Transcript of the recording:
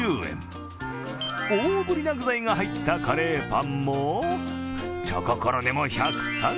大ぶりな具材が入ったカレーパンもチョココロネも、１３０円。